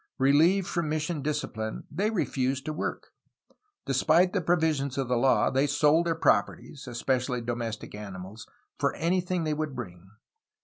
Relieved from mission discipline they refused to work. Despite the provisions of the law, they sold their properties (especially domestic animals) for anything they would bring.